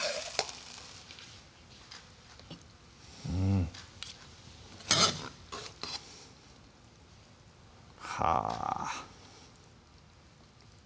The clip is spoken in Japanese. うんはぁ